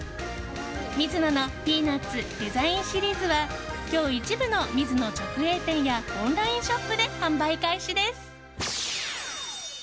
ミズノの「ピーナッツ」デザインシリーズは今日、一部のミズノ直営店やオンラインショップで販売開始です。